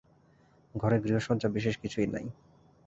ঘরে গৃহসজ্জা বিশেষ কিছুই নাই।